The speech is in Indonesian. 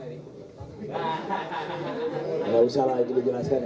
enggak usah lah itu dijelaskan ya